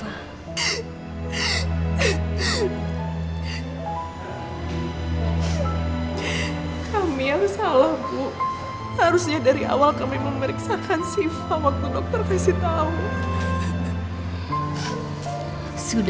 om terima kasih